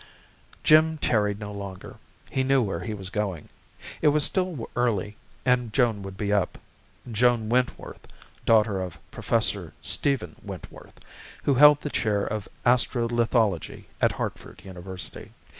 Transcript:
Jim tarried no longer. He knew where he was going. It was still early and Joan would be up Joan Wentworth, daughter of Professor Stephen Wentworth, who held the chair of astro lithology at Hartford University.